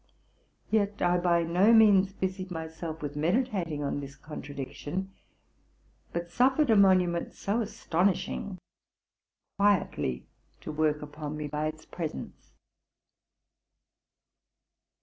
Yet I by no means busied myself with meditating on this contradiction, butgsuffered a monument so astonishing quietly to work upon me by its presence.